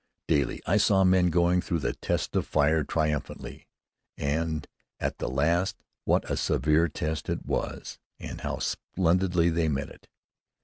Daily I saw men going through the test of fire triumphantly, and, at the last, what a severe test it was! And how splendidly they met it!